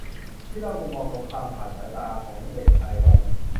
ที่เล่ามุมมองสงครามผ่านสายตาของเด็กชายวัย